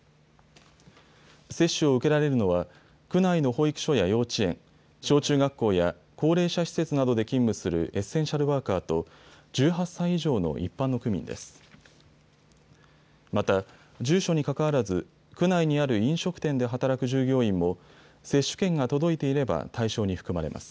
接種を受けられるのは区内の保育所や幼稚園、小中学校や高齢者施設などでエッセンシャルワーカーと１８歳以上の一般の区民です。